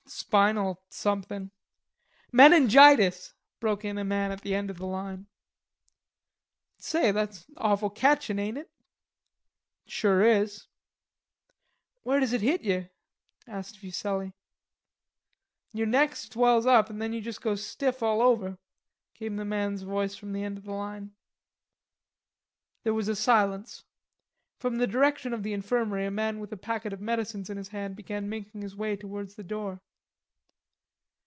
"Spinal somethin'...." "Menegitis," broke in a man at the end of the line. "Say, that's awful catchin' ain't it?" "It sure is." "Where does it hit yer?" asked Fuselli. "Yer neck swells up, an' then you juss go stiff all over," came the man's voice from the end of the line. There was a silence. From the direction of the infirmary a man with a packet of medicines in his hand began making his way towards the door.